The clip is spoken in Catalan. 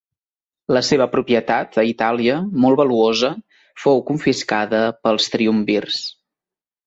La seva propietat a Itàlia, molt valuosa, fou confiscada pels triumvirs.